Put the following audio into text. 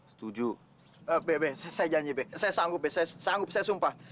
setuju be be saya janji be saya sanggup be saya sanggup saya sumpah